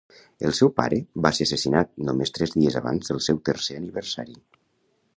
El seu pare va ser assassinat només tres dies abans del seu tercer aniversari.